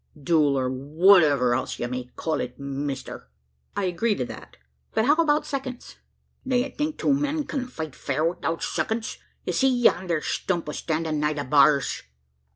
"Duel, or whatever else ye may call it, mister." "I agree to that. But how about seconds?" "D'ye think two men can't fight fair 'ithout seconds? Ye see yander stump standin' nigh the bars?"